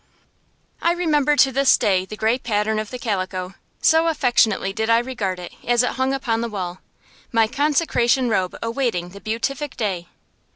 I remember to this day the gray pattern of the calico, so affectionately did I regard it as it hung upon the wall my consecration robe awaiting the beatific day.